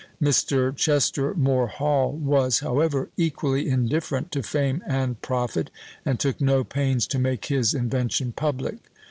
Mr. Chester More Hall was, however, equally indifferent to fame and profit, and took no pains to make his invention public.